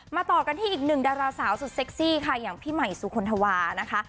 ต่อกันที่อีกหนึ่งดาราสาวสุดเซ็กซี่ค่ะอย่างพี่ใหม่สุคลธวานะคะ